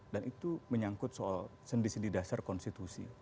dan itu menyangkut soal sendi sendi dasar konstitusi